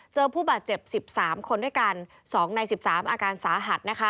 ผู้บาดเจ็บ๑๓คนด้วยกัน๒ใน๑๓อาการสาหัสนะคะ